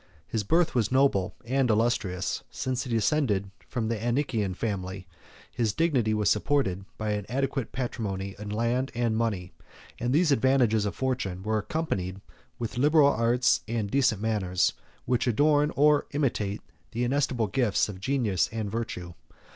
His birth was noble and illustrious, since he descended from the Anician family; his dignity was supported by an adequate patrimony in land and money; and these advantages of fortune were accompanied with liberal arts and decent manners, which adorn or imitate the inestimable gifts of genius and virtue.